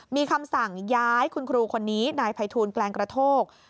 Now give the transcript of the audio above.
มีคำสั่งย้ายคุณครูคนนี้นายภัยทูลแกลงกระโทก